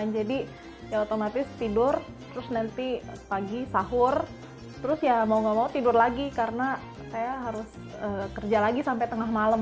jadi ya otomatis tidur terus nanti pagi sahur terus ya mau gak mau tidur lagi karena saya harus kerja lagi sampai tengah malam